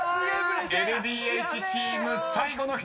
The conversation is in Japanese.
［ＬＤＨチーム最後の１人］